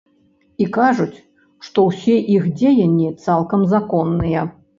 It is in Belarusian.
І кажуць, што ўсе іх дзеянні цалкам законныя.